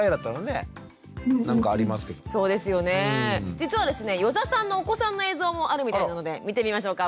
実はですね余座さんのお子さんの映像もあるみたいなので見てみましょうか。